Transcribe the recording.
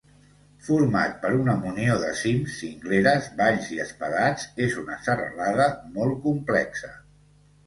Format per una munió de cims, cingleres, valls i espadats és una serralada molt complexa.